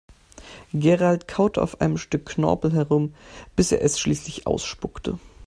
Gerald kaute auf einem Stück Knorpel herum, bis er es schließlich ausspuckte.